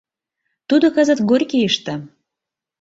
Тудо кызыт Горькийыште.